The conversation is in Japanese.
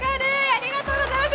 ありがとうございます。